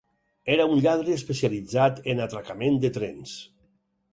Era un lladre especialitzat en atracament de trens.